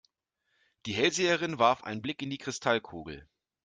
Die Hellseherin warf einen Blick in die Kristallkugel.